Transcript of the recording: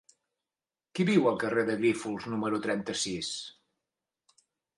Qui viu al carrer de Grífols número trenta-sis?